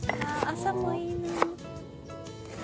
「朝もいいな」